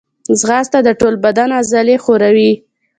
ځغاسته د ټول بدن عضلې ښوروي